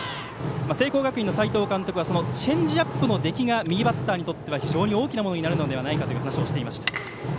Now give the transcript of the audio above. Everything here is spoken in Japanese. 聖光学院の斎藤監督はそのチェンジアップの出来が右バッターにとっては非常に大きなものになるのではないかという話をしていました。